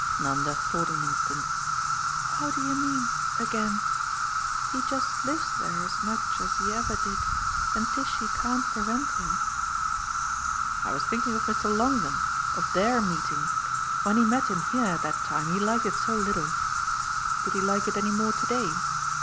Nanda thought an instant. "How do you mean, 'again'? He just lives there as much as he ever did, and Tishy can't prevent him." "I was thinking of Mr. Longdon of THEIR meeting. When he met him here that time he liked it so little. Did he like it any more to day?"